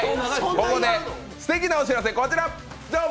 ここですてきなお知らせ、こちらじゃん！